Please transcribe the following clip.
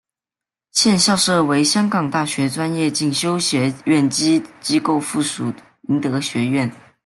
现校舍为香港大学专业进修学院机构附属明德学院。